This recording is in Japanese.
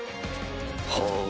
ほう？